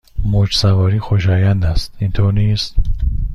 موج سواری خوشایند است، اینطور نیست؟